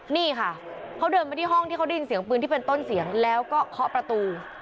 นี่ค่ะเขาเดินมาที่ห้องที่เขาได้ยินเสียงปืนที่เป็นต้นเสียงแล้วก็เคาะประตู